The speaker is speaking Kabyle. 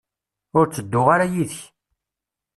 Ur tedduɣ ara yid-k.